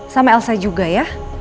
sama elsa juga ya